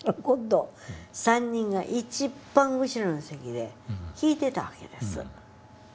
３人が一番後ろの席で聞いてたわけです。